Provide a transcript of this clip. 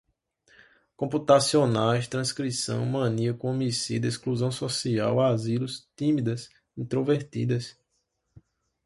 computacionais, transcrição, maníaco, homicida, exclusão social, asilos, tímidas, introvertidas